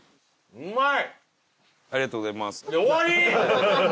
うまい！